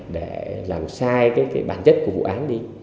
để làm sai cái bản chất của vụ án đi